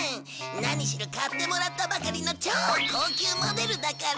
何しろ買ってもらったばかりの超高級モデルだから。